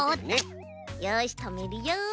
よしとめるよ。